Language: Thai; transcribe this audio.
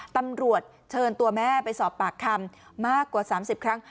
ตำรวจเชิญตัวแม่ไปสอบปากคำมากกว่า๓๐ครั้ง